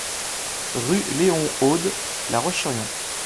Rue Léon Aude, La Roche-sur-Yon